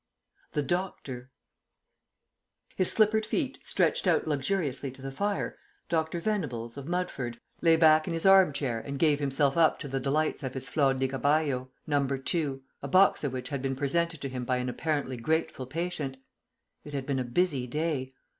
THE DOCTOR His slippered feet stretched out luxuriously to the fire, Dr. Venables, of Mudford, lay back in his arm chair and gave himself up to the delights of his Flor di Cabajo, No. 2, a box of which had been presented to him by an apparently grateful patient. It had been a busy day.